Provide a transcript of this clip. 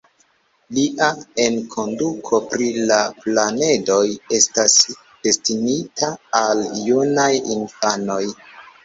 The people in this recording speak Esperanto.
Lia enkonduko pri la planedoj estas destinita al junaj infanoj.